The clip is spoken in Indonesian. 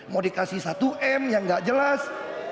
mau diberikan satu m yang tidak jelas